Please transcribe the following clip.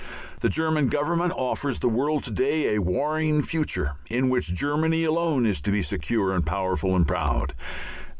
The German government offers the world to day a warring future in which Germany alone is to be secure and powerful and proud.